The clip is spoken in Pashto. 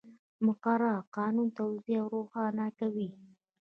مقرره قانون توضیح او روښانه کوي.